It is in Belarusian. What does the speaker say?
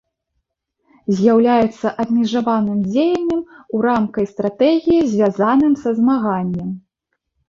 З'яўляецца абмежаваным дзеяннем у рамкай стратэгіі, звязаным са змаганнем.